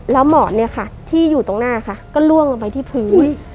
ละหมอดที่อยู่ตรงหน้าก็ร่วงไปที่พื้น